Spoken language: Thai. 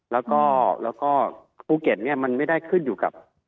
แล้วก็ภูเก็ตเนี่ยมันไม่ได้ขึ้นอยู่กับ